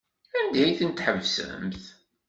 Anda ay ten-tḥebsemt?